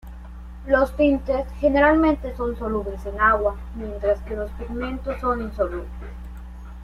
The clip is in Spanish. Los tintes generalmente son solubles en agua, mientras que los pigmentos son insolubles.